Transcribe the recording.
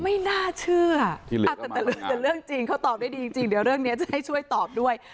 ไม่น่าเชื่อแต่เรื่องจริงเขาตอบได้ดีจริงเดี๋ยวเรื่องนี้จะให้ช่วยตอบด้วย